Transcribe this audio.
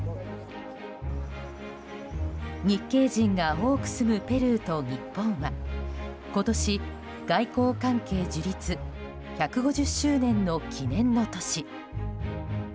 日系人が多く住むペルーと日本は今年、外交関係樹立１５０周年の記念の年。